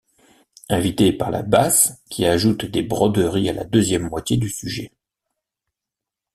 Invité par la basse qui ajoute des broderies à la deuxième moitié du sujet.